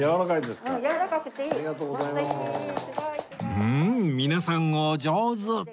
うん皆さんお上手！